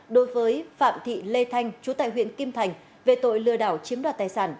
đối với phạm thị lê thanh chú tại huyện kim thành về tội lừa đảo chiếm đoạt tài sản